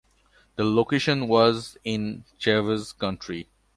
That location was in Chaves County.